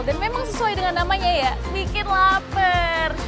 dan memang sesuai dengan namanya ya bikin laper